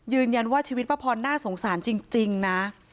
ยืนยันว่าชีวิตป้าพรน่าสงสารจริงนะ